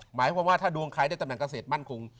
หมายความว่าถ้าดวงใครได้ตำแหนเกษตรมั่นคง